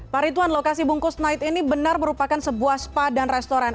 pak ritwan lokasi bungkus naik ini benar merupakan sebuah spa dan restoran